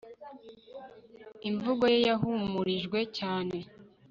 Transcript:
Imvugo ye yahumurijwe cyane